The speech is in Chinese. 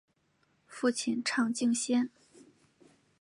父亲畅敬先。